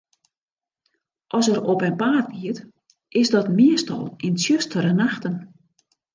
As er op 'en paad giet, is dat meastal yn tsjustere nachten.